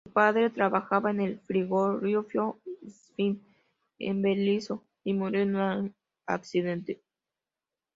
Su padre trabajaba en el frigorífico Swift, en Berisso y murió en un accidente.